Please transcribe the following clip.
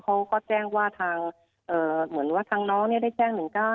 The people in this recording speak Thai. เขาก็แจ้งว่าทางเหมือนว่าทางน้องได้แจ้ง๑๙